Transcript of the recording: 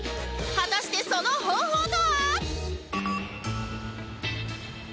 果たしてその方法とは？